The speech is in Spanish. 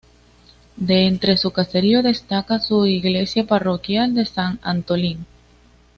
De entre su caserío, destaca su iglesia parroquial de San Antolín.